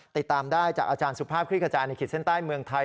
ติดตามได้จากอาจารย์สุภาพคลิกกระจายในขีดเส้นใต้เมืองไทย